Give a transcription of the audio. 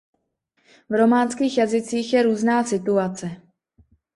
V románských jazycích je různá situace.